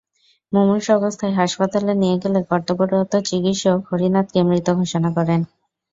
মুমূর্ষু অবস্থায় হাসপাতালে নিয়ে গেলে কর্তবরত চিকিৎসক হরিনাথকে মৃত ঘোষণা করেন।